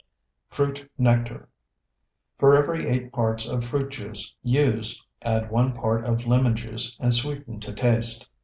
FRUIT NECTAR For every eight parts of fruit juice used add one part of lemon juice and sweeten to taste.